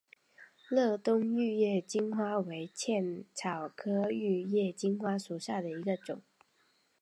乐东玉叶金花为茜草科玉叶金花属下的一个种。